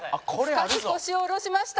深く腰を下ろしました。